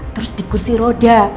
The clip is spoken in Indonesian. terus di kursi roda